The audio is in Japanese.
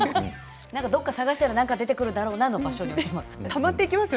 どこか探したら何か出てくるだろうなの場所に置いてあります。